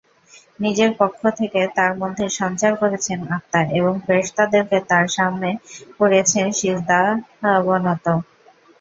নিজের পক্ষ থেকে তার মধ্যে সঞ্চার করেছেন আত্মা এবং ফেরেশতাদেরকে তার সামনে করিয়েছেন সিজদাবনত।